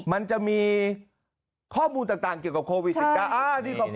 มันจะมีข้อมูลต่างเกี่ยวกับโควิด๑๙